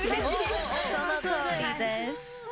そのとおりです。